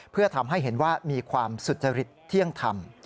เพื่อทำให้เห็นว่ามีความสุจริตเที่ยงธรรม